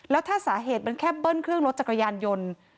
แล้วถ้าสาเหตุมันแค่เบิ้ลเครื่องรถจักรยานยนต์